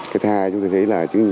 cái thứ hai chúng ta thấy là